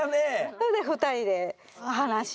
それで２人で話しに行って。